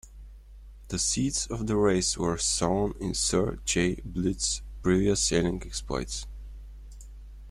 The seeds of the race were sown in Sir Chay Blyth's previous sailing exploits.